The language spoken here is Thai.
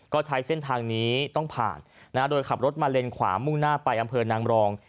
ก็ใช้เส้นทางนี้ต้องผ่านโดยขับรถมาเลนขวามุ่งหน้าไปอำเภอนางรอง